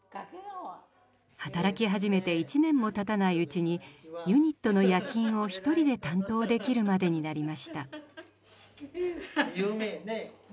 働き始めて１年もたたないうちにユニットの夜勤を一人で担当できるまでになりました。